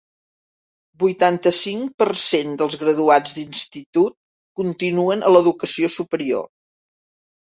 Vuitanta-cinc per cent dels graduats d'institut continuen a l'educació superior.